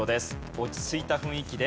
落ち着いた雰囲気で。